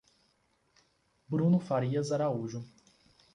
Bruno Farias Araújo